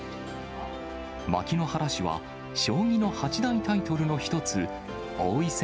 牧之原市は、将棋の八大タイトルの一つ、王位戦